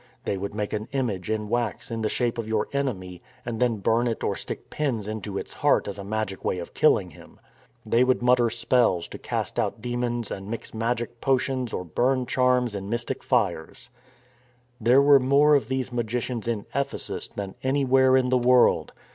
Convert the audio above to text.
They would make an image in wax in the shape of your enemy and then burn it or stick pins into its heart as a magic way of killing him. They ' See Col. ii. i and iv. i6. 254 STORM AND STRESS would mutter spells to cast out demons and mix magic potions or burn charms in mystic fires. There were more of these magicians in Ephesus than anywhere in the world.